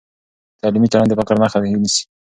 تعلیمي چلند د فقر مخه نیسي.